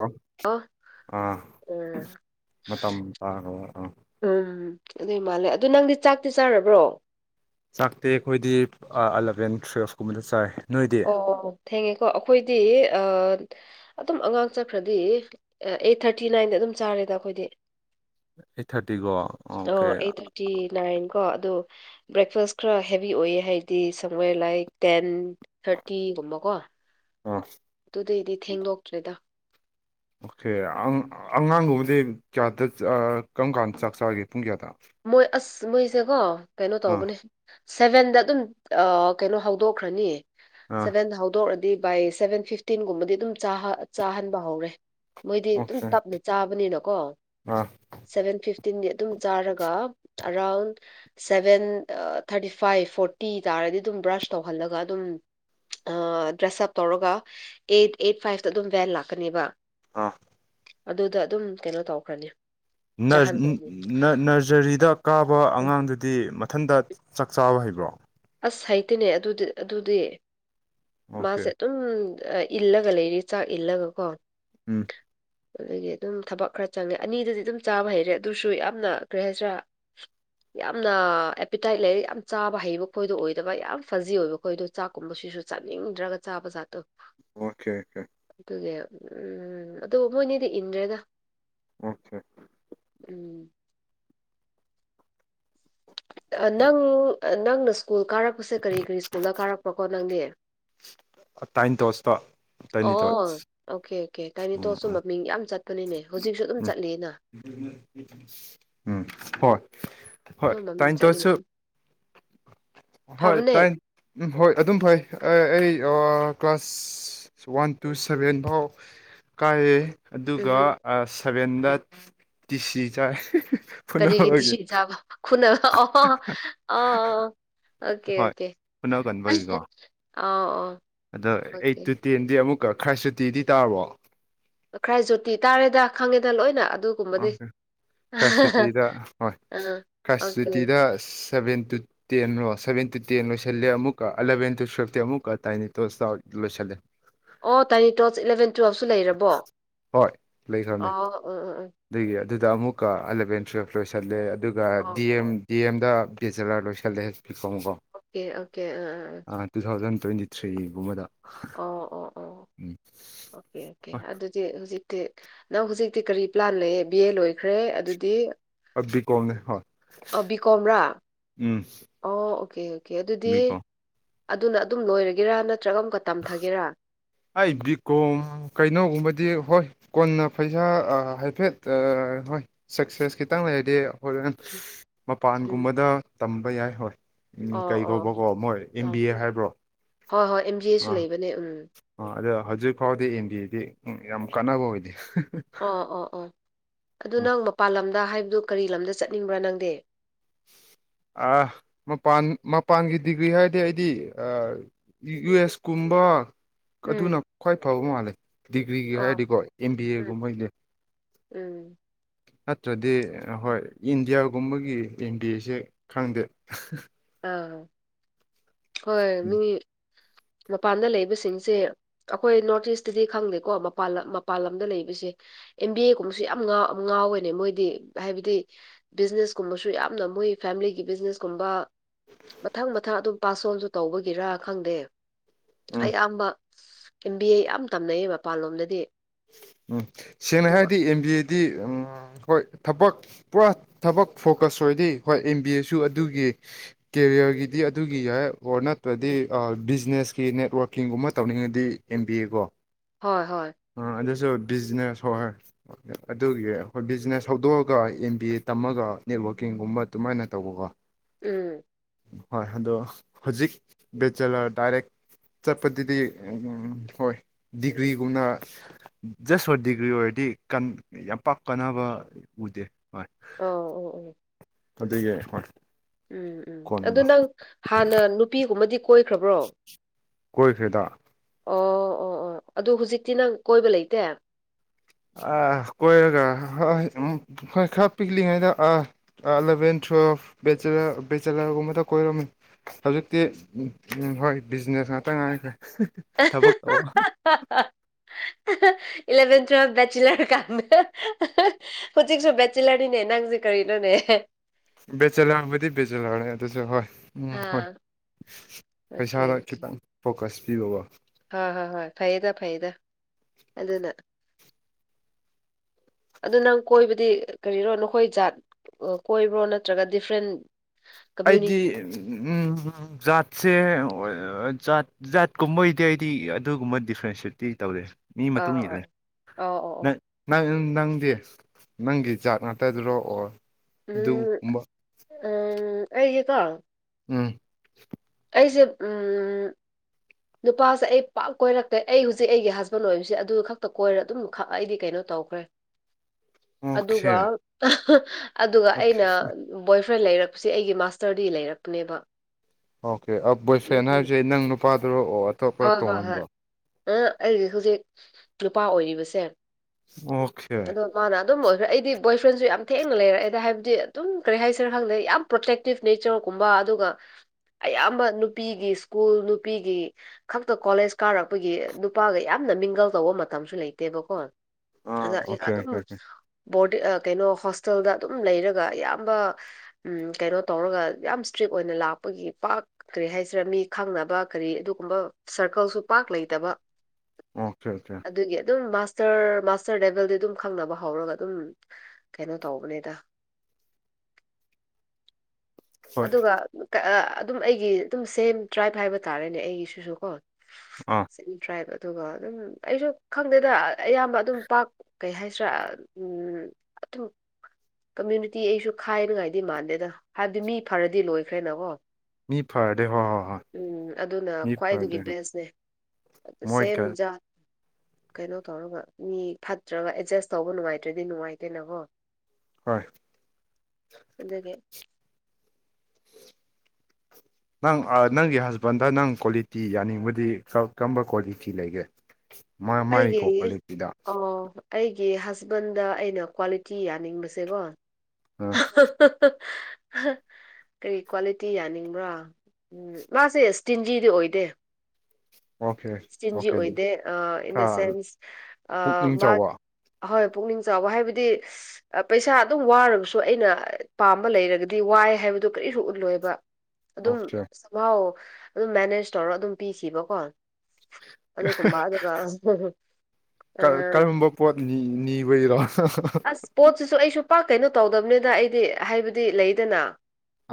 ꯑꯣ ꯑ ꯑꯥ ꯎꯝ ꯃꯇꯝ [unintelligible] ꯑꯥ ꯎꯝ ꯑꯗꯨꯏ ꯃꯥꯜꯂꯦ ꯑꯗꯨ ꯅꯪꯗꯤ ꯆꯥꯛꯇꯤ ꯆꯥꯔꯕ꯭ꯔꯣ ꯆꯥꯛꯇꯦ ꯑꯩꯈꯣꯏꯗꯤ ꯑꯦꯂꯚꯦꯟ ꯇꯨꯋꯦꯜꯐ ꯀꯨꯝꯕꯗ ꯆꯥꯏ ꯅꯣꯏꯗꯤ ꯑꯣ ꯊꯦꯡꯉꯦꯀꯣ ꯑꯩꯈꯣꯏꯗꯤ ꯑ ꯑꯗꯨꯝ ꯑꯉꯥꯡ ꯆꯠꯈ꯭ꯔꯗꯤ ꯑꯩꯠ ꯊꯥꯔꯇꯤ ꯅꯥꯏꯟꯗ ꯑꯗꯨꯝ ꯆꯥꯔꯦꯗ ꯑꯩꯈꯣꯏꯗꯤ ꯑꯩꯠ ꯊꯥꯔꯇꯤꯒꯣ ꯑꯣꯀꯦ ꯇꯤ ꯅꯥꯏꯟ ꯀꯣ ꯑꯗꯣ ꯕ꯭ꯔꯦꯛꯐꯥꯁ ꯈꯔ ꯍꯦꯚꯤ ꯑꯣꯏꯌꯦ ꯍꯥꯏꯕꯗꯤ ꯁꯝꯋꯦꯔ ꯂꯥꯏꯛ ꯇꯦꯟ ꯊꯥꯔꯇꯤꯒꯨꯝꯕ ꯀꯣ ꯑꯥ ꯑꯗꯨꯗꯩꯗꯤ ꯊꯦꯡꯗꯣꯛꯇ꯭ꯔꯦꯗ ꯑꯣꯀꯦ ꯑꯉꯥꯡꯒꯨꯝꯕꯗꯤ ꯀꯌꯥꯗ ꯀꯔꯝ ꯀꯥꯟꯗ ꯆꯥꯛ ꯆꯥꯒꯦ ꯄꯨꯡ ꯀꯌꯥꯗ ꯃꯣꯏ ꯑꯁ ꯃꯣꯏꯁꯦ ꯀꯣ ꯀꯩꯅꯣ ꯑꯥ ꯇꯧꯕꯅꯦ ꯁꯦꯚꯦꯟꯗ ꯑꯗꯨꯝ ꯀꯩꯅꯣ ꯍꯧꯗꯣꯛꯈ꯭ꯔꯅꯤ ꯑꯥ ꯁꯦꯚꯦꯟꯗ ꯍꯧꯗꯣꯛ ꯗꯤ ꯕꯥꯏ ꯁꯚꯦꯟ ꯐꯤꯐꯇꯤꯟꯒꯨꯝꯕꯗꯤ ꯑꯗꯨꯝ ꯆꯥꯍꯟꯕ ꯍꯧꯔꯦ ꯃꯣꯏꯗꯤ ꯑꯗꯨꯝ ꯑꯣꯀꯦ ꯇꯞꯅ ꯆꯥꯕꯅꯤꯅꯀꯣ ꯁꯚꯦꯟ ꯐꯤꯐꯇꯤꯟꯗꯤ ꯑꯗꯨꯝ ꯆꯥꯔꯒ ꯆꯥꯔꯒ around seven thirty five forty ꯇꯥꯔꯗꯤ ꯑꯗꯨꯝ ꯕ꯭ꯔꯁ ꯇꯧꯍꯜꯂꯒ ꯑꯗꯨꯝ ꯗ꯭ꯔꯦꯁꯑꯞ ꯇꯧꯔꯒ ꯑꯩꯠ ꯑꯩꯠ ꯐꯥꯏꯚꯇ ꯑꯗꯨꯝ ꯚꯦꯜ ꯂꯥꯛꯀꯅꯦꯕ ꯑ ꯑꯗꯨꯗ ꯑꯗꯨꯝ ꯀꯩꯅꯣ ꯇꯧꯈ꯭ꯔꯅꯤ ꯆꯥꯍꯟꯈ꯭ꯔꯅꯤ ꯅꯔ ꯅꯔꯖꯔꯤꯗ ꯀꯥꯕ ꯑꯉꯥꯡꯗꯨ ꯗꯤ ꯃꯊꯟꯇ ꯆꯥꯛ ꯆꯥꯕ ꯍꯩꯕ꯭ꯔꯣ ꯑꯁ ꯍꯥꯏꯇꯦꯅꯦ ꯑꯗꯨꯗꯤ ꯑꯗꯨꯗꯤ ꯑꯣꯀꯦ ꯃꯥꯁꯦ ꯑꯗꯨꯝ ꯏꯜꯂꯒ ꯂꯩꯔꯤ ꯆꯥꯛ ꯏꯜꯂꯒꯀꯣ ꯎꯝ [inaudible] ꯑꯗꯒꯤ ꯑꯗꯨꯝ ꯊꯕꯛ ꯈꯔ ꯆꯪꯉꯦ ꯑꯅꯤꯗꯗꯤ ꯑꯗꯨꯝ ꯆꯥꯕ ꯍꯩꯔꯦ ꯑꯗꯨꯁꯨ ꯌꯥꯝꯅ ꯀꯔꯤ ꯍꯥꯏꯁꯤꯔꯥ ꯌꯥꯝꯅ ꯑꯦꯄꯤꯇꯥꯏꯠ ꯂꯩꯔ ꯌꯥꯝ ꯆꯥꯕ ꯍꯩꯕ ꯈꯣꯏꯗꯣ ꯑꯣꯏꯗꯕ ꯌꯥꯝ ꯐꯖꯤ ꯑꯣꯏꯕ ꯈꯣꯏꯗꯣ ꯆꯥꯛꯀꯨꯝꯕꯁꯤꯁꯨ ꯆꯥꯅꯤꯡꯗ꯭ꯔꯒ ꯆꯥꯕ ꯖꯥꯠꯗꯣ ꯑꯣꯀꯦ ꯑꯣꯀꯦ ꯑꯗꯨꯒꯤ ꯎꯝꯝ ꯑꯗꯨ ꯃꯣꯏꯅꯤꯗꯤ ꯏꯟꯗ꯭ꯔꯦꯗ ꯑꯣꯀꯦ ꯎꯝ ꯅꯪ ꯅꯪꯅ ꯁ꯭ꯀꯨꯜ ꯀꯥꯔꯛꯄꯁꯦ ꯀꯔꯤ ꯀꯔꯤ ꯁ꯭ꯀꯨꯜꯗ ꯀꯥꯔꯛꯄꯀꯣ ꯅꯪꯗꯤ ꯇꯥꯏꯟ ꯇꯣꯁꯇ ꯑꯣ ꯑꯣꯀꯦ ꯑꯣꯀꯦ ꯎꯝ ꯇꯥꯏꯅꯦꯇꯣꯇꯁꯨ ꯃꯃꯤꯡ ꯌꯥꯝ ꯆꯠꯄꯅꯤꯅ ꯍꯧꯖꯤꯛꯁꯨ ꯑꯗꯨꯝ ꯎꯝ ꯆꯠꯂꯤꯅ ꯎꯝ ꯍꯣꯏ ꯍꯣꯏ ꯑꯗꯨꯝ ꯃꯃꯤꯡ ꯆꯠꯂꯤ ꯇꯥꯏꯅꯤꯇꯣꯠꯁꯨ ꯍꯣꯏ ꯐꯕꯅꯦ ꯇꯥꯏꯟ ꯍꯣꯏ ꯑꯗꯨꯝ ꯐꯩ ꯑꯩ ꯑ ꯀ꯭ꯂꯥꯁ ꯋꯥꯟ ꯇꯨ ꯁꯚꯦꯟ ꯐꯥꯎ ꯀꯥꯏꯑꯦ ꯎꯝ ꯑꯗꯨꯒ ꯎꯝ ꯑ ꯁꯚꯦꯟꯗ ꯇꯤ ꯁꯤ ꯆꯥꯏ ꯀꯔꯤꯒꯤ ꯇꯤ ꯐꯨꯅꯕꯒꯤ ꯁꯤ ꯆꯥꯕ ꯈꯨꯅ ꯑꯣ ꯑꯣ ꯑ ꯑꯣꯀꯦ ꯍꯣꯏ ꯑꯣꯀꯦ ꯐꯨꯅ ꯑ ꯑꯣ ꯑꯗ ꯑꯩꯠ ꯑꯣꯀꯦ ꯇꯨ ꯇꯦꯟꯗꯤ ꯑꯃꯨꯛꯀ ꯈ꯭ꯔꯥ ꯁꯨꯇꯤꯗꯤ ꯇꯥꯔꯕꯣ ꯈ꯭ꯔꯥꯏꯖꯣꯇꯤ ꯇꯥꯔꯦꯗ ꯈꯪꯉꯦꯗ ꯂꯣꯏꯅ ꯑꯗꯨ ꯑꯣꯦ ꯈꯁ ꯁꯨꯇꯤꯗ ꯍꯣꯏ ꯈꯥꯏ ꯑꯣꯀꯦ ꯁꯨꯇꯤꯗ ꯁꯚꯦꯟ ꯇꯨ ꯇꯦꯟ ꯂꯣ ꯁꯚꯦꯟ ꯇꯨ ꯇꯦꯟ ꯂꯣꯏꯁꯤꯜꯂꯦ ꯑꯃꯨꯛꯀ ꯑꯦꯂꯚꯦꯟ ꯇꯨ ꯇꯨꯌꯦꯜꯞꯇꯤ ꯑꯃꯨꯛꯀ ꯇꯥꯏꯅꯤ ꯇꯨ ꯂꯣꯏꯁꯤꯜꯂꯦ ꯑꯣ ꯇꯥꯏꯅꯤꯇꯣꯠ ꯏꯂꯕꯦꯟ ꯇꯨꯌꯦꯜꯞꯁꯨ ꯂꯩꯔꯕ ꯍꯣꯏ ꯂꯩꯈ꯭ꯔꯕꯅꯦ ꯑꯣ ꯑꯗꯨꯒꯤ ꯑꯗꯨꯗ ꯑꯃꯨꯛꯀ ꯑꯦꯂꯚꯦꯟ ꯇꯨꯋꯦꯜꯐ ꯂꯣꯏꯁꯤꯜꯂꯦ ꯑꯗꯨꯒ ꯑꯣ ꯑꯣ ꯗꯤ ꯑꯦꯝ ꯑꯣ ꯗꯤ ꯑꯦꯝꯗ ꯕꯤꯦꯆꯂꯔ ꯂꯣꯏꯁꯤꯜꯂꯦ ꯄꯤ ꯀꯉꯨꯀꯣ ꯑꯣꯀꯦ ꯑꯣꯀꯦ ꯑ ꯇꯨꯊꯥꯎꯖꯟ ꯇ꯭ꯋꯦꯟꯇꯤ ꯊ꯭ꯔꯤꯒꯨꯝꯕꯗ ꯑꯣ ꯑꯣ ꯑꯣ ꯎꯝ ꯑꯣꯀꯦ ꯑꯣꯀꯦ ꯑꯗꯨꯗꯤ ꯍꯧꯖꯤꯛ ꯅꯪ ꯍꯧꯖꯤꯛꯇꯤ ꯀꯔꯤ ꯄ꯭ꯂꯥꯟ ꯂꯩꯌꯦ ꯕꯤ ꯑꯦ ꯂꯣꯏꯈ꯭ꯔꯦ ꯑꯗꯨꯗꯤ ꯑꯕꯤ ꯀꯣꯝꯅꯦ ꯍ ꯕꯤ ꯀꯣꯝꯔꯥ ꯎꯝ ꯑꯣ ꯑꯣꯀꯦ ꯑꯣꯀꯦ ꯑꯗꯨꯗꯤ ꯕꯤ ꯀꯣꯝ ꯑꯗꯨꯅ ꯑꯗꯨꯝ ꯂꯣꯏꯔꯒꯦꯔꯥ ꯅꯠꯇ꯭ꯔꯒ ꯑꯃꯨꯛꯀ ꯇꯝꯊꯒꯦꯔꯥ ꯑꯩ ꯕꯤ ꯀꯣꯝ ꯀꯩꯅꯣꯒꯨꯝꯕꯗꯤ ꯍꯣꯏ ꯀꯣꯟꯅ ꯐꯩꯁꯥ ꯍꯥꯏꯐꯦꯠ ꯍꯣꯏ ꯁꯛꯁꯦꯁ ꯈꯤꯇꯪ ꯂꯩꯔꯗꯤ ꯍꯣꯔꯦꯟ ꯎꯝ ꯃꯄꯥꯟꯒꯨꯝꯕꯗ ꯇꯝꯕ ꯌꯥꯏ ꯍꯣꯏ ꯎꯝ ꯑꯣ ꯀꯩ ꯑꯣ ꯀꯧꯕꯀꯣ ꯃꯣꯏ ꯑꯦꯝ ꯕꯤ ꯑꯣ ꯑꯦ ꯍꯥꯏꯕ꯭ꯔꯣ ꯍꯣꯏ ꯍꯣꯏ ꯑꯦꯝ ꯖꯤ ꯑꯦꯁꯨ ꯂꯩꯕꯅꯦ ꯎꯝ ꯑ ꯑꯗꯣ ꯍꯧꯖꯤꯛ ꯐꯥꯎꯗꯤ ꯑꯦꯝ ꯕꯤꯗꯤ ꯌꯥꯝ ꯀꯥꯟꯅꯕ ꯑꯣꯏꯗꯦ ꯑꯣ ꯑꯣ ꯑꯣ ꯑꯗꯨ ꯎꯝ ꯅꯪ ꯃꯄꯥꯟ ꯂꯝꯗ ꯍꯥꯏꯕꯗꯨ ꯀꯔꯤ ꯂꯝꯗ ꯆꯠꯅꯤꯡꯕ꯭ꯔꯥ ꯅꯪꯗꯤ ꯑꯥ ꯃꯄꯥꯟ ꯃꯄꯥꯟꯒꯤ ꯗꯤꯒ꯭ꯔꯤ ꯍꯥꯏꯔꯗꯤ ꯑꯩꯗꯤ ꯌꯨ ꯑꯦꯁ ꯀꯨꯝꯕ ꯑꯗꯨꯅ ꯎꯝ ꯈ꯭ꯋꯥꯏ ꯐꯕ ꯃꯥꯜꯂꯦ ꯗꯤꯒ꯭ꯔꯤꯒꯤ ꯑꯣ ꯍꯥꯏꯔꯗꯤꯀꯣ ꯑꯦꯝ ꯕꯤ ꯎꯝ ꯑꯦꯒꯨꯝꯕꯩ ꯂꯩ ꯎꯝ ꯅꯠꯇ꯭ꯔꯗꯤ ꯍꯣꯏ ꯏꯟꯗꯤꯌꯥꯒꯨꯝꯕꯒꯤ ꯏꯟꯗꯤꯁꯦ ꯈꯪꯗꯦ ꯑꯥ ꯍꯣꯏ ꯃꯤ ꯃꯄꯥꯟꯗ ꯂꯩꯕꯁꯤꯡꯁꯦ ꯑꯩꯈꯣꯏ ꯅꯣꯔꯠ ꯏꯁꯇꯗꯤ ꯈꯪꯗꯦꯀꯣ ꯃꯥꯟ ꯂꯝ ꯃꯄꯥꯟ ꯂꯝꯗ ꯂꯩꯕꯁꯦ ꯑꯦꯝ ꯕꯤ ꯑꯦꯒꯨꯝꯕꯁꯨ ꯌꯥꯝꯥꯎ ꯉꯥꯎꯋꯦꯅꯦ ꯃꯣꯏꯗꯤ ꯍꯥꯏꯕꯗꯤ ꯕꯤꯖꯤꯅꯦꯁꯀꯨꯝꯕꯁꯨ ꯌꯥꯝꯅ ꯃꯣꯏ ꯐꯦꯃꯤꯂꯤꯒꯤ ꯕꯤꯖꯤꯅꯦꯁꯀꯨꯝꯕ ꯎꯝ ꯃꯊꯪ ꯃꯊꯪ ꯑꯗꯨꯝ ꯄꯥꯁ ꯑꯣꯟꯁꯨ ꯇꯧꯕꯒꯤꯔꯥ ꯈꯪꯗꯦ ꯎꯝ ꯑꯌꯥꯝꯕ ꯑꯦꯝ ꯕꯤ ꯑꯦ ꯌꯥꯝ ꯇꯝꯅꯩ ꯃꯄꯥꯟꯂꯣꯝꯗꯗꯤ ꯎꯝ ꯁꯦꯡꯅ ꯑꯗꯨꯒ ꯍꯥꯏꯔꯗꯤ ꯑꯦꯝ ꯕꯤ ꯑꯦꯗꯤ ꯎ ꯍꯣꯏ ꯊꯕꯛ ꯄꯨꯔꯥ ꯊꯕꯛ ꯐꯣꯀꯁ ꯑꯣꯏꯔꯗꯤ ꯍꯣꯏ ꯑꯦꯝ ꯕꯤ ꯑꯦꯁꯨ ꯑꯗꯨꯒꯤ ꯀꯦꯔꯤꯌꯔꯒꯤꯗꯤ ꯑꯗꯨꯒꯤ ꯌꯥꯏ ꯑꯣꯔ ꯅ ꯑꯗꯤ ꯎꯝ ꯕꯤꯖꯤꯅꯦꯁꯀꯤ ꯅꯦꯠꯋꯥꯔꯀꯤꯡꯒꯨꯝꯕ ꯇꯧꯅꯤꯡꯉꯗꯤ ꯑꯦꯝ ꯕꯤ ꯑꯦ ꯀꯣ ꯍꯣꯏ ꯍꯣꯏ ꯑ ꯑꯗꯨꯁꯨ ꯕꯤꯖꯤꯅꯦꯁ ꯍꯣꯏ ꯑꯗꯨꯒꯤ ꯍꯣꯏ ꯕꯤꯖꯤꯅꯦꯁ ꯍꯧꯗꯣꯛꯑꯒ ꯑꯦꯝ ꯕꯤ ꯑꯦ ꯇꯝꯃꯒ ꯅꯦꯠꯋꯥꯀꯤꯡꯒꯨꯝꯕ ꯑꯗꯨꯃꯥꯏꯅ ꯇꯧꯕꯀꯣ ꯎꯝ ꯍꯣꯏ ꯑꯗꯣ ꯍꯧꯖꯤꯛ ꯕꯆ ꯗꯥꯏꯔꯦꯛ ꯆꯠꯄꯗꯨꯗꯤ ꯍꯣꯏ ꯗꯤꯒ꯭ꯔꯤꯒꯨꯝꯅ ꯖꯁ ꯗꯤꯒ꯭ꯔꯤ ꯑꯣꯏꯔꯗꯤ ꯌꯥꯝ ꯄꯥꯛ ꯀꯅꯕ ꯎꯗꯦ ꯍꯣꯏ ꯑꯣ ꯑꯣ ꯑꯣ ꯑꯗꯨꯒꯤ ꯍꯣꯏ ꯎꯝ ꯎꯝ ꯑꯗꯨ ꯀꯣꯟꯅ ꯅꯪ ꯍꯥꯟꯅ ꯅꯨꯄꯤꯒꯨꯝꯕꯗꯤ ꯀꯣꯏꯈ꯭ꯔꯕ꯭ꯔꯣ ꯀꯣꯏ ꯐꯩꯗ ꯑꯣ ꯑꯣ ꯑꯣ ꯑꯗꯨ ꯍꯧꯖꯤꯛꯇꯤ ꯅꯪ ꯀꯣꯏꯕ ꯂꯩꯇꯦ ꯑꯥ ꯀꯣꯏꯔꯒ ꯎ ꯍꯣꯏ ꯈꯔ ꯄꯤꯛꯂꯤꯉꯩꯗ ꯑꯥ ꯑꯂꯕꯦꯟ ꯇꯨꯋꯦꯜꯆꯂꯔꯦꯆꯂꯔꯒꯨꯝꯕꯗ ꯀꯣꯏꯔꯣꯃꯤ ꯍꯧꯖꯤꯛꯇꯤꯝ ꯍꯣꯏ ꯕꯤꯖꯤꯅꯦꯁ ꯉꯥꯛꯇ ꯉꯥꯏꯈ꯭ꯔꯦ ꯑꯦ ꯊꯕꯛ ꯑꯣ ꯏꯂꯚꯦꯟꯋ ꯦꯆꯨꯂꯔ ꯀꯝꯃꯦ ꯍꯧꯖꯤꯛꯁꯨ ꯆꯂꯔꯅꯤꯅꯦ ꯑꯦꯅꯥꯪꯁꯤ ꯀꯔꯤꯗꯣꯅꯦ ꯕꯦꯆꯜ ꯂꯕꯨꯗꯤ ꯕꯦꯆꯜ ꯂꯧꯥꯎꯔꯔꯦ ꯑꯗꯨꯁꯨ ꯍꯣꯏ ꯎꯝ ꯍꯣꯏ ꯑꯥ ꯑꯣꯀꯦ ꯄꯩꯁꯥꯗ ꯈꯤꯇꯪ ꯐꯣꯀꯁ ꯄꯤꯕꯕꯣ ꯍꯣꯏ ꯍꯣꯏ ꯍꯣꯏ ꯐꯩꯗ ꯐꯩꯌꯦꯗ ꯑꯗꯨꯅ ꯑꯗꯨ ꯅꯪ ꯀꯣꯏꯕꯗꯤ ꯀꯔꯤꯔꯣ ꯅꯈꯣꯏ ꯖꯥꯠ ꯀꯣꯏꯕ꯭ꯔꯣ ꯅꯠꯇ꯭ꯔꯒ ꯗꯤꯐ꯭ꯔꯦꯟ ꯑꯩꯗꯤ ꯀꯝꯃ꯭ꯌꯨꯅꯤꯇꯤ ꯖꯥꯠꯁꯦ ꯖꯥꯠ ꯖꯥꯠꯀꯨꯝꯕꯒꯤꯗꯤ ꯑꯩꯗꯤ ꯑꯗꯨꯒꯨꯝꯕ ꯗꯤꯐ꯭ꯔꯦꯟꯁꯌꯦꯠꯇꯤ ꯇꯧꯔꯦ ꯃꯤ ꯑꯥ ꯃꯇꯨꯡ ꯑꯥ ꯏꯂꯂꯦ ꯑꯧ ꯑꯧ ꯑꯧ ꯅꯪ ꯅꯪ ꯅꯪꯗꯤ ꯅꯪꯒꯤ ꯖꯥꯠ ꯉꯥꯛꯇꯗꯨꯔꯣ ꯑꯣ ꯎꯝ ꯎ ꯑꯩꯁꯦꯀꯣ ꯎꯝ ꯑꯩꯁꯦ ꯎ ꯅꯨꯄꯥꯁꯦ ꯑꯩ ꯄꯥꯛꯞ ꯀꯣꯏꯔꯛꯇꯦ ꯑꯩ ꯍꯧꯖꯤꯛ ꯑꯩꯒꯤ ꯍꯁꯕꯦꯟ ꯑꯣꯏꯕꯕꯁꯤꯦ ꯑꯗꯨ ꯈꯛꯇ ꯀꯣꯏꯔ ꯑꯗꯨꯝ ꯈꯛ ꯑꯩꯗꯤ ꯀꯩꯅꯣ ꯇꯧꯈ꯭ꯔꯦ ꯑꯗꯨꯒ ꯑꯣꯈꯦ ꯑꯗꯨꯒ ꯑꯣꯀꯦ ꯑꯩꯅ ꯕꯣꯏ ꯐ꯭ꯔꯦꯟ ꯂꯩꯔꯛꯄꯁꯦ ꯑꯩꯒꯤ ꯃꯥꯁꯇꯔꯗꯤ ꯂꯩꯔꯛꯄꯅꯦꯕ ꯑꯣꯀꯦ ꯑ ꯎꯝ ꯕꯣꯏꯐ꯭ꯔꯦꯟ ꯎꯝ ꯍꯥꯏꯕꯁꯦ ꯅꯪ ꯅꯨꯄꯥꯗꯨꯔꯣ ꯑꯣ ꯑꯇꯣꯞꯄ ꯍꯣꯏ ꯍꯣꯏ ꯍꯣꯏ ꯇꯣꯉꯥꯟꯕ꯭ꯔꯣ ꯑꯩꯒꯤ ꯍꯧꯖꯤꯛ ꯅꯨꯄꯥ ꯑꯣꯏꯔꯤꯕꯁꯦ ꯑꯣꯀꯦ ꯑꯗꯣ ꯃꯥꯅ ꯑꯗꯨꯝ ꯑꯣꯏꯈ꯭ꯔꯦ ꯑꯩꯗꯤ ꯕꯣꯏ ꯐ꯭ꯔꯦꯟꯁꯨ ꯌꯥꯝ ꯊꯦꯡꯅ ꯂꯩꯔꯛꯑꯦꯗ ꯍꯥꯏꯕꯗꯤ ꯑꯗꯨꯝ ꯀꯔꯤ ꯍꯥꯏꯁꯔꯦ ꯈꯪꯗꯦ ꯌꯥꯝ ꯄ꯭ꯔꯣꯇꯦꯛꯇꯤꯞ ꯅꯦꯆꯔꯒꯨꯝꯕ ꯑꯗꯨꯒ ꯑꯌꯥꯝꯕ ꯅꯨꯄꯤꯒꯤ ꯁ꯭ꯀꯨꯜ ꯅꯨꯄꯤꯒꯤ ꯈꯛꯇ ꯀꯣꯂꯦꯖ ꯀꯥꯔꯛꯄꯒꯤ ꯅꯨꯄꯥꯒ ꯌꯥꯝꯅ ꯃꯤꯡꯒꯜ ꯇꯧꯕ ꯃꯇꯝꯁꯨ ꯂꯩꯇꯦꯕꯀꯣ ꯑꯥ ꯑꯗ ꯑꯣꯀꯦ ꯑꯗꯨꯝ ꯑꯣꯀꯦ ꯑꯣꯀꯦ ꯕꯣꯔꯗꯤ ꯀꯩꯅꯣ ꯍꯣꯁꯇꯦꯜꯗ ꯑꯗꯨꯝ ꯂꯩꯔꯒ ꯑꯌꯥꯝꯕ ꯎ ꯀꯩꯅꯣ ꯇꯧꯔꯒ ꯌꯥꯝ ꯏꯁꯇ꯭ꯔꯤꯛ ꯑꯣꯏꯅ ꯂꯥꯛꯄꯒꯤ ꯄꯥꯛ ꯀꯔꯤ ꯍꯥꯏꯁꯤꯔꯥ ꯃꯤ ꯈꯪꯅꯕ ꯀꯔꯤ ꯑꯗꯨꯒꯨꯝꯕ ꯁꯔꯀꯜꯁꯨ ꯄꯥꯛ ꯂꯩꯇꯕ ꯑꯣꯆꯥꯦ ꯑꯣꯆꯥꯦ ꯑꯗꯨꯒꯤ ꯑꯗꯨꯝ ꯃꯥꯁꯇꯔ ꯃꯥꯁꯇꯔ ꯂꯦꯚꯦꯜꯗꯤ ꯑꯗꯨꯝ ꯈꯪꯅꯕ ꯍꯧꯔꯒ ꯑꯗꯨꯝ ꯀꯩꯅꯣ ꯇꯧꯕꯅꯦꯗ ꯍꯣꯏ ꯑꯗꯨꯒ ꯑꯗꯨꯝ ꯑꯩꯒꯤ ꯑꯗꯨꯝ ꯁꯦꯝ ꯇ꯭ꯔꯥꯏꯞ ꯍꯥꯏꯕ ꯇꯥꯔꯦꯅꯦ ꯑꯩꯒꯤꯁꯤꯁꯨ ꯀꯣ ꯑꯥ ꯭ꯔꯕ ꯑꯗꯨꯒ ꯑꯗꯨꯝ ꯑꯩꯁꯨ ꯈꯪꯗꯦꯗ ꯑꯌꯥꯝꯕ ꯑꯗꯨꯝ ꯄꯥꯛ ꯀꯩ ꯍꯥꯏꯁꯤ꯭ꯔꯥ ꯎꯝ ꯑꯗꯨꯝ ꯀꯃ꯭ꯌꯨꯅꯤꯇꯤ ꯑꯩꯁꯨ ꯈꯥꯏꯅꯉꯥꯏꯗꯤ ꯃꯥꯟꯗꯦꯗ ꯍꯥꯏꯕꯗꯤ ꯃꯤ ꯐꯔꯗꯤ ꯂꯣꯏꯈ꯭ꯔꯦꯅꯀꯣ ꯃꯤ ꯐꯔꯗꯤ ꯍꯣꯏ ꯍꯣꯏ ꯍꯣꯏ ꯎꯝ ꯑꯗꯨꯅ ꯃꯤ ꯈ꯭ꯋꯥꯏꯗꯒꯤ ꯐꯔꯗꯤ ꯕꯦꯁꯅꯦ ꯑ ꯃꯣꯏ ꯀꯩ ꯁꯦꯝꯦꯦꯝ ꯥ ꯀꯩꯅꯣ ꯇꯧꯔꯒ ꯃꯤ ꯐꯠꯇ꯭ꯔꯒ ꯑꯦꯗꯖꯁ ꯇꯧꯕ ꯅꯨꯡꯉꯥꯏꯇ꯭ꯔꯗꯤ ꯅꯨꯡꯉꯥꯏꯇꯦꯅꯀꯣ ꯍꯣꯏ ꯑꯗꯨꯗꯒꯤꯦ ꯅꯪ ꯅꯪꯒꯤ ꯍꯖꯕꯦꯟꯗ ꯅꯪ ꯀ꯭ꯋꯥꯂꯤꯇꯤ ꯌꯥꯅꯤꯡꯕꯗꯤ ꯀꯔꯝꯕ ꯀ꯭ꯋꯥꯂꯤꯇꯤ ꯂꯩꯒꯦ ꯃꯥꯏ ꯀꯣꯛꯄ ꯑꯩꯒꯤ ꯂꯩꯇꯤꯗ ꯑꯣ ꯑꯩꯒꯤ ꯍꯁꯕꯟꯗ ꯑꯩꯅ ꯀ꯭ꯋꯥꯂꯤꯇꯤ ꯌꯥꯅꯤꯡꯕꯁꯦꯀꯣ ꯑꯥ ꯀꯔꯤ ꯀ꯭ꯋꯥꯂꯤꯇꯤ ꯌꯥꯅꯤꯡꯕ꯭ꯔꯥ ꯎꯝ ꯃꯥꯁꯦ ꯁ꯭ꯇꯤꯟꯖꯤꯗꯤ ꯑꯣꯏꯗꯦ ꯑꯣꯀꯦ ꯆꯤꯟꯖꯤ ꯑꯣꯀꯦ ꯑꯣꯏꯗꯦ ꯑ ꯏꯟ ꯗ ꯈꯔ ꯁꯦꯟꯁ ꯑ ꯄꯨꯛꯅꯤꯡ ꯃꯥ ꯆꯥꯎꯕ ꯑꯍꯣꯏ ꯄꯨꯛꯅꯤꯡ ꯆꯥꯎꯕ ꯍꯥꯏꯕꯗꯤ ꯄꯩꯁꯥ ꯑꯗꯨꯝ ꯋꯥꯔꯕꯁꯨ ꯁꯨ ꯑꯩꯅ ꯄꯥꯝꯕ ꯂꯩꯔꯒꯗꯤ ꯋꯥꯏ ꯍꯥꯏꯕꯗꯨꯣ ꯀꯔꯤꯁꯨ ꯎꯠꯂꯣꯏꯕ ꯑꯗꯨꯝ ꯑꯣꯀꯦ ꯥꯎ ꯑꯗꯨꯝ ꯃꯦꯅꯦꯖ ꯇꯧꯔ ꯑꯗꯨꯝ ꯄꯤꯈꯤꯕꯀꯣ ꯑꯗꯨ ꯀꯕꯥ ꯑꯗꯨꯒ ꯑ ꯀꯔꯝꯕ ꯄꯣꯠ ꯅꯤꯕꯩꯔꯣ ꯑꯁ ꯄꯣꯠꯁꯤꯁꯨ ꯑꯩꯁꯨ ꯄꯥꯛ ꯀꯩꯅꯣ ꯇꯧꯗꯕꯅꯤꯗ ꯑꯩꯗꯤ ꯍꯥꯏꯕꯗꯤ ꯂꯩꯗꯅ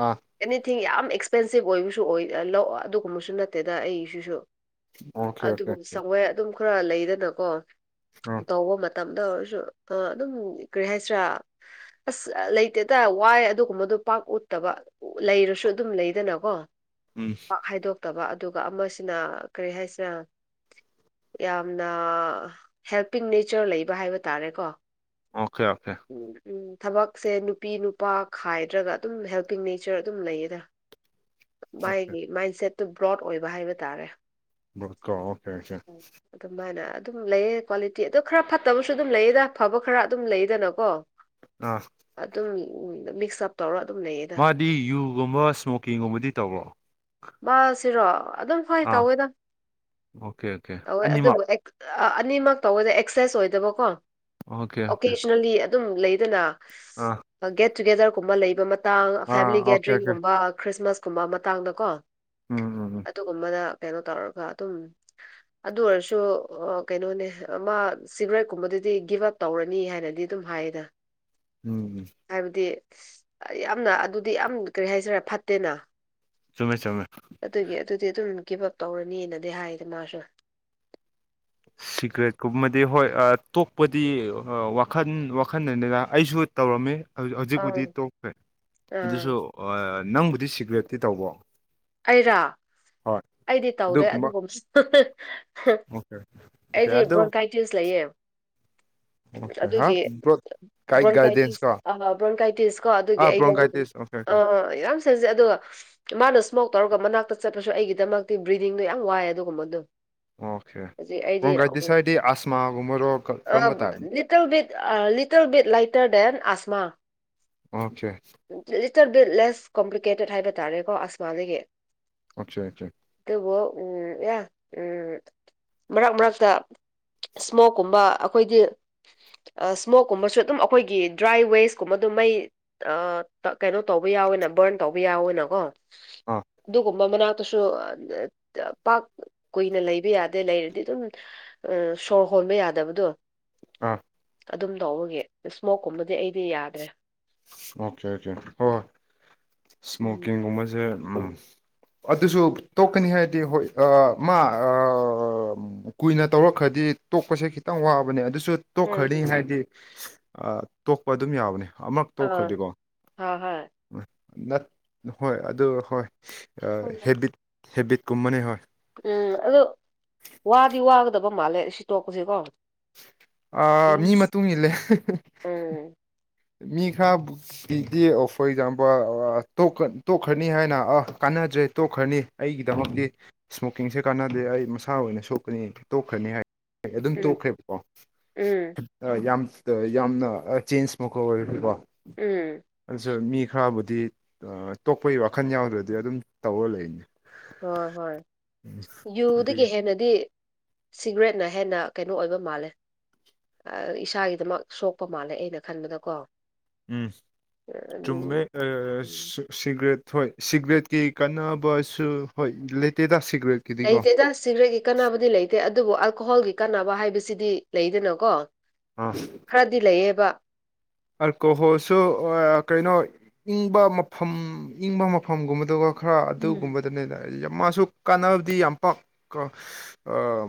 ꯑꯥ ꯑꯦꯅꯤꯊꯤꯡ ꯌꯥꯝ ꯑꯦꯛꯁꯄꯦꯟꯁꯤꯞ ꯑꯣꯏꯕꯁꯨ ꯑꯣꯏ ꯂꯧ ꯑꯗꯨꯒꯨꯝꯕꯁꯨ ꯅꯠꯇꯦꯗ ꯑꯩꯁꯤꯁꯨ ꯑꯣꯀꯦ ꯑꯣꯀꯦ ꯑꯗꯨꯕꯨ ꯁꯧꯋꯦ ꯑꯗꯨꯝ ꯈꯔ ꯂꯩꯔꯅꯀꯣ ꯑꯥ ꯇꯧꯕ ꯃꯇꯝꯗ ꯑꯣꯏꯔꯁꯨ ꯑꯗꯨꯝ ꯀꯔꯤ ꯍꯥꯏꯁꯤꯔꯥ ꯑꯁ ꯂꯩꯇꯦꯇ ꯋꯥꯏ ꯑꯗꯨꯒꯨꯝꯕꯗꯣ ꯄꯥꯛ ꯎꯠꯇꯕ ꯂꯩꯔꯁꯨ ꯑꯗꯨꯝ ꯂꯩꯗꯅꯀꯣ ꯎꯝ ꯄꯥꯛ ꯍꯥꯏꯗꯣꯛꯇꯕ ꯑꯗꯨꯒ ꯑꯃꯁꯤꯅ ꯀꯔꯤ ꯍꯥꯏꯁꯤꯔ ꯌꯥꯝꯅ ꯍꯦꯜꯄꯤꯡ ꯅꯦꯆꯔ ꯂꯩꯕ ꯍꯥꯏꯕ ꯇꯥꯔꯦꯀꯣ ꯑꯣꯀꯦ ꯑꯣꯀꯦ ꯎꯝ ꯎꯝ ꯊꯕꯛꯁꯦ ꯅꯨꯄꯤ ꯅꯨꯄꯥ ꯈꯥꯏꯗ꯭ꯔꯒ ꯑꯗꯨꯝ ꯍꯦꯜꯄꯤꯡ ꯅꯦꯆꯔ ꯑꯗꯨꯝ ꯂꯩꯌꯦꯗ ꯃꯥꯒꯤ ꯃꯥꯏꯟꯁꯦꯠꯇꯨ ꯕ꯭ꯔꯣꯠ ꯑꯣꯏꯕ ꯍꯥꯏꯕ ꯇꯥꯔꯦ ꯀꯣ ꯑꯣ ꯐꯦꯦ ꯑꯗꯨꯃꯥꯏꯅ ꯑꯗꯨꯝ ꯂꯩꯑ ꯀ꯭ꯋꯥꯂꯤꯇꯤ ꯑꯗꯣ ꯈꯔ ꯐꯠꯇꯕꯁꯨ ꯑꯗꯨꯝ ꯂꯩꯌꯦꯗ ꯐꯕ ꯈꯔ ꯑꯗꯨꯝ ꯂꯩꯗꯅꯀꯣ ꯑ ꯑꯗꯨꯝ ꯃꯤꯛꯁ ꯑꯞ ꯇꯧꯔꯒ ꯑꯗꯨꯝ ꯂꯩꯌꯦꯗ ꯗꯤ ꯌꯖꯨꯒꯨꯝꯕ ꯁ꯭ꯃꯣꯀꯤꯡꯒꯨꯝꯕꯗꯤ ꯇꯧꯔ꯭ꯔꯣ ꯃꯥꯁꯤꯔꯣ ꯑꯗꯨꯝ ꯐꯩ ꯑꯥ ꯇꯧꯋꯦꯗꯪ ꯑꯣꯀꯦ ꯑꯣꯀꯦ ꯇꯧꯋꯦ ꯑꯅꯤꯃꯛ ꯑꯗꯨꯕꯨ ꯑꯦ ꯑꯅꯤꯃꯛ ꯇꯧꯕꯗ ꯑꯦꯛꯁꯦꯁ ꯑꯣꯏꯗꯕꯀꯣ ꯑꯣꯀꯦ ꯑꯣꯀꯦ ꯑꯣꯀꯦꯁꯅꯦꯜꯂꯤ ꯑꯗꯨꯝ ꯂꯩꯗꯅ ꯑꯥ ꯒꯦꯠ ꯇꯨꯒꯦꯗꯔꯒꯨꯝꯕ ꯂꯩꯕ ꯃꯇꯥꯡ ꯑꯥ ꯐꯦꯃꯤꯂꯤ ꯑꯣꯀꯦ ꯑꯣꯀꯦ ꯒꯦꯗꯔꯤꯡꯒꯨꯝꯕ ꯈ꯭ꯔꯤꯁꯃꯥꯁ ꯀꯨꯝꯕ ꯃꯇꯥꯡꯗ ꯀꯣ ꯎꯝ ꯎꯝ ꯑꯗꯨꯒꯨꯝꯕꯗ ꯀꯩꯅꯣ ꯇꯧꯔꯒ ꯑꯗꯨꯝ ꯑꯗꯨ ꯑꯣꯏꯔꯁꯨ ꯀꯩꯅꯣꯅꯦ ꯃꯥ ꯁꯤꯒꯔꯦꯠꯀꯨꯝꯕꯗꯨꯗꯤ ꯒꯤꯞ ꯑꯞ ꯇꯧꯔꯅꯤ ꯍꯥꯏꯅꯗꯤ ꯑꯗꯨꯝ ꯍꯥꯏꯌꯦꯅ ꯎꯝ ꯎꯝ ꯍꯥꯏꯕꯗꯤ ꯌꯥꯝꯅ ꯑꯗꯨꯗꯤ ꯌꯥꯝ ꯀꯔꯤ ꯍꯥꯏꯁꯤꯔꯦ ꯐꯠꯇꯦꯅ ꯆꯨꯝꯃꯦ ꯆꯨꯝꯃꯦ ꯑꯗꯨꯒꯤ ꯑꯗꯨꯗꯤ ꯑꯗꯨꯝ ꯒꯤꯞ ꯑꯞ ꯇꯧꯔꯅꯤꯅꯗꯤ ꯍꯥꯏꯗ ꯃꯥꯁꯨ ꯁꯤꯒ꯭ꯔꯦꯠꯀꯨꯝꯕꯗꯤ ꯍꯣꯏ ꯇꯣꯛꯄꯗꯤ ꯋꯥꯈꯜ ꯋꯥꯈꯜꯗꯅꯤꯅ ꯑꯩꯁꯨ ꯇꯧꯔꯝꯃꯤ ꯑꯪ ꯍꯧꯖꯤꯛꯄꯨꯗꯤ ꯇꯣꯛꯈ꯭ꯔꯦ ꯑꯥ ꯑꯗꯨꯁꯨ ꯅꯪꯕꯨꯗꯤ ꯁꯤꯒ꯭ꯔꯦꯠꯇꯤ ꯇꯧꯕꯣ ꯑꯩꯔꯥ ꯍꯣꯏ ꯑꯩꯗꯤ ꯇꯧꯗꯦ ꯑꯗꯨꯒꯨꯝꯕ ꯑꯗꯨꯒꯨꯝꯕꯁꯨ ꯑꯣꯀꯦ ꯑꯣꯀꯦ ꯑꯩꯗꯤ ꯑꯗꯨ ꯕ꯭ꯔꯣꯟ ꯀꯥꯏ ꯁ ꯂꯩꯥꯏꯌꯦ ꯑꯣꯀꯦ ꯍꯥ ꯑꯗꯨꯒꯤ ꯕ꯭ꯔꯣꯠ ꯀꯥꯏ ꯒꯥꯏꯗꯦꯟꯁ ꯕ꯭ꯔꯣꯟꯀꯥꯏꯇꯤꯁ ꯀꯣ ꯑ ꯕ꯭ꯔꯣꯟꯀꯥꯏꯇꯤꯁ ꯀꯣ ꯑꯗꯨꯒꯤ ꯑꯥ ꯑꯩꯗꯤ ꯑꯗꯨ ꯕ꯭ꯔꯣꯟꯒꯥꯏꯇꯤꯁ ꯑꯣꯀꯦ ꯑ ꯑꯣꯀꯦ ꯌꯥꯝ ꯁꯟꯖꯩ ꯑꯗꯨꯒ ꯃꯥꯅ ꯏꯁꯃꯣꯛ ꯇꯧꯔꯒ ꯃꯅꯥꯛꯇ ꯆꯠꯄꯁꯨ ꯑꯩꯒꯤꯗꯃꯛꯇꯤ ꯕ꯭ꯔꯤꯗꯤꯡꯗꯣ ꯌꯥꯝ ꯋꯥꯏ ꯑꯗꯨꯒꯨꯝꯕꯗꯣ ꯑꯣꯀꯦ ꯍꯧꯖꯤꯛ ꯑꯩꯗꯤ ꯔꯣꯡ ꯥꯏꯗꯤ ꯁꯥꯏꯗꯤ ꯑꯁꯃꯥꯒꯨꯝꯕꯔꯣ ꯀꯔꯝꯕ ꯇꯥꯏꯕꯅꯣ little bit little bit lighter then ꯑꯁꯃꯥ ꯑꯣꯦ ꯂꯤꯇꯔ ꯕꯤꯠ ꯂꯦꯁ ꯀꯣꯝꯄ꯭ꯂꯤꯀꯦꯇꯦꯠ ꯍꯥꯏꯕ ꯇꯥꯔꯦꯀꯣ ꯑꯁꯃꯥꯗꯒꯤ ꯑꯆꯥ ꯑꯆꯥ ꯑꯗꯨꯕꯨ ꯎꯝ ꯑꯦ ꯎꯝ ꯃꯔꯛ ꯃꯔꯛꯇ ꯏꯁꯃꯣꯛꯀꯨꯝꯕ ꯑꯩꯈꯣꯏꯗꯤ ꯁꯃꯣꯛ ꯀꯨꯝꯕꯁꯨ ꯑꯗꯨꯝ ꯑꯩꯈꯣꯏꯒꯤ ꯗ꯭ꯔꯥꯏ ꯋꯦꯁ ꯀꯨꯝꯕ ꯑꯗꯨꯝ ꯃꯩ ꯀꯩꯅꯣ ꯇꯧꯕ ꯌꯥꯎꯋꯦꯅ ꯕꯔꯟ ꯇꯧꯕ ꯌꯥꯎꯋꯅꯀꯣ ꯑꯥ ꯑꯗꯨꯒꯨꯝꯕ ꯃꯅꯥ ꯇꯁꯨ ꯄꯥꯛ ꯀꯨꯏꯅ ꯂꯩꯕ ꯌꯥꯗꯦ ꯂꯩꯔꯗꯤ ꯑꯗꯨꯝ ꯑ ꯁꯣꯔ ꯍꯣꯟꯕ ꯌꯥꯗꯕꯗꯣ ꯑꯥ ꯑꯗꯨꯝ ꯇꯧꯕꯒꯤ ꯏꯁꯃꯣꯛꯀꯨꯝꯕꯗꯤ ꯑꯩꯗꯤ ꯌꯥꯗ꯭ꯔꯦ ꯑꯣꯀꯦ ꯑꯣꯀꯦ ꯍꯣꯏ ꯎꯝ ꯏꯁꯃꯣꯀꯤꯡꯒꯨꯝꯕꯁꯦ ꯎꯝ ꯑꯗꯨꯁꯨ ꯇꯣꯛꯀꯅꯤ ꯍꯥꯏꯔꯗꯤ ꯍꯣꯏ ꯃꯥ ꯀꯨꯏꯅ ꯇꯧꯔꯛꯈ꯭ꯔꯗꯤ ꯇꯣꯛꯄꯁꯦ ꯈꯤꯇꯪ ꯋꯥꯕꯅꯦ ꯑꯗꯨꯁꯨ ꯎꯝ ꯇꯣꯛꯈ꯭ꯔꯗꯤ ꯉꯁꯥꯏꯒꯤ ꯇꯣꯛꯄ ꯑꯗꯨꯝ ꯌꯥꯕꯅꯤ ꯑꯃ ꯑ ꯍ‌ꯣ ꯍꯣꯏ ꯅꯠ ꯍꯣꯏ ꯑꯗꯨ ꯍꯣꯏ ꯍꯣꯏ ꯍꯦꯕꯤꯠ ꯍꯦꯕꯤꯠꯀꯨꯝꯕꯅꯦ ꯍꯣꯏ ꯎꯝ ꯑꯗꯣ ꯋꯥꯗꯤ ꯋꯥꯒꯗꯕ ꯃꯥꯜꯂꯦ ꯁꯤ ꯇꯣꯛꯄꯁꯤꯀꯣ ꯑ ꯃꯤ ꯃꯇꯨꯡ ꯏꯜꯂꯦ ꯎꯝ ꯃꯤ ꯈꯔ ꯒꯤꯗꯤ ꯑꯣ ꯐꯣꯔ ꯑꯦꯛꯖꯥꯝꯄꯜ ꯇ‌ꯣꯛ ꯇꯣꯛꯈ꯭ꯔꯅꯤ ꯍꯥꯏꯅ ꯑ ꯀꯥꯟꯅꯗ꯭ꯔꯦ ꯇꯣꯛꯈ꯭ꯔꯅꯤ ꯑꯩꯒꯤꯗꯃꯛꯗꯤ ꯏꯁꯃꯣꯀꯤꯡꯁꯦ ꯀꯥꯟꯅꯗꯦ ꯑꯩ ꯃꯁꯥ ꯑꯣꯏꯅ ꯁꯣꯛꯀꯅꯤ ꯇꯣꯛꯈ꯭ꯔꯅꯤ ꯍꯥꯏ ꯍ‌ꯣꯆ ꯑꯗꯨꯝ ꯎꯝ ꯇꯣꯛꯈ꯭ꯔꯦꯕꯀꯣ ꯎꯝ ꯌꯥꯝ ꯌꯥꯝꯅ ꯆꯦꯟꯖ ꯑꯃꯈꯛ ꯑꯣꯏꯔꯗꯤꯀꯣ ꯎꯝ ꯑꯗꯨꯁꯨ ꯃꯤ ꯈꯔꯕꯨꯗꯤ ꯇꯣꯛꯄꯒꯤ ꯋꯥꯈꯜ ꯌꯥꯎꯗ꯭ꯔꯗꯤ ꯑꯗꯨꯝ ꯇꯧꯔ ꯂꯩꯅꯤ ꯍꯣꯏ ꯍꯣꯏ ꯑꯗꯨꯒꯤ ꯌꯨꯗꯒꯤ ꯍꯦꯟꯅꯗꯤ ꯁꯤꯒꯔꯦꯠꯅ ꯍꯦꯟꯅ ꯀꯩꯅꯣ ꯑꯣꯏꯕ ꯃꯥꯜꯂꯦ ꯏꯁꯥꯒꯤꯗꯃꯛ ꯁꯣꯛꯄ ꯃꯥꯜꯂꯦ ꯑꯩꯅ ꯈꯟꯕꯗꯀꯣ ꯎꯝ ꯆꯨꯝꯃꯦ ꯎꯝ, ꯑꯁ ꯁꯤꯒꯔꯦꯠ ꯍꯣꯏ ꯁꯤꯒꯔꯦꯠꯀꯤ ꯀꯥꯟꯅꯕꯁꯨ ꯍꯣꯏ ꯂꯩꯇꯦꯗꯥ ꯁꯤꯒꯔꯦꯠ ꯂꯩꯇꯦꯗ ꯁꯤꯒꯔꯦꯠꯀꯤ ꯀꯥꯟꯅꯕꯗꯤ ꯂꯩꯇꯦ ꯑꯗꯨꯕꯨ ꯑꯜꯀꯣꯍꯣꯜꯒꯤ ꯀꯥꯟꯅꯕ ꯍꯥꯏꯕꯁꯤꯗꯤ ꯂꯩꯗꯅꯀꯣ ꯑꯥ ꯈꯔꯗꯤ ꯂꯩꯌꯦꯕ ꯑꯜꯀꯣꯍꯣꯜꯁꯨ ꯀꯩꯅꯣ ꯏꯪꯕ ꯃꯐꯝ ꯏꯪꯕ ꯃꯐꯝꯒꯨꯝꯕꯗꯒ‌ꯣ ꯈꯔ ꯎꯝ ꯑꯗꯨꯒꯨꯝꯕꯗꯅꯦ ꯑꯩ ꯃꯥꯁꯨ ꯀꯥꯟꯅꯕꯗꯤ ꯌꯥꯝ ꯄꯥꯛ ꯑꯥ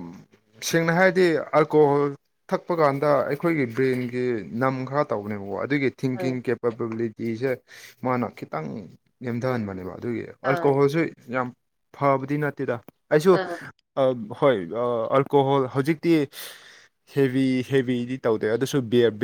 ꯁꯦꯡꯅ ꯍꯥꯏꯔꯗꯤ ꯑꯜꯀꯣꯍꯣꯜ ꯊꯛꯄ ꯀꯥꯟꯗ ꯑꯩꯈꯣꯏꯒꯤ ꯕ꯭ꯔꯦꯟꯒꯤ ꯅꯝ ꯈꯔ ꯇꯧꯕꯅꯦꯕꯀ‌ꯣ ꯑꯗꯨꯒꯤ ꯍꯣꯏ꯫ ꯊꯤꯡꯀꯤꯡ ꯀꯦꯞ ꯄꯕꯤꯂꯤꯇꯤꯁꯦ ꯃꯥꯅ ꯈꯤꯇꯪ ꯅꯦꯝꯊꯍꯟꯕꯅꯦꯕ ꯑꯗꯨꯒꯤ ꯑꯥ ꯑꯜꯀꯣꯍꯣꯜꯁꯨ ꯌꯥꯝ ꯐꯕꯗꯤ ꯅꯠꯇꯦꯗ ꯑꯩꯁꯨ ꯑꯥ ꯍꯣꯏ ꯑꯜꯀꯣꯍꯣꯜ ꯍꯧꯖꯤꯛꯇꯤ ꯍꯦꯕꯤ ꯍꯦꯕꯤꯗꯤ ꯇꯧꯗꯦ ꯑꯗꯨꯁꯨ ꯕꯤꯌꯥ ꯕꯤꯌꯥ